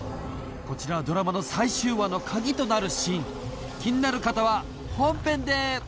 こちらはドラマの最終話のカギとなるシーン気になる方は本編で！